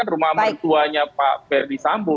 itu rumah mertuanya pak ferdisambo